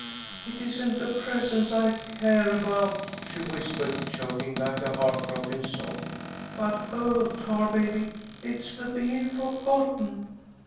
"It isn't the presents I care about," she whispered, choking back a heart broken sob; "but oh, Tarbaby, it's the bein' forgotten!